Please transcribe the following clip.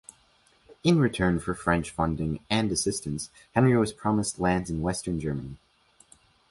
In return for French funding and assistance, Henry was promised lands in western Germany.